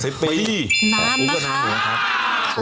นานนะคะ